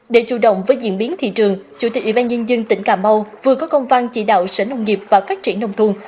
để chủ động với diễn biến thị trường chủ tịch ủy ban nhân dân tỉnh cà mau vừa có công văn chỉ đạo sở nông nghiệp và phát triển nông thôn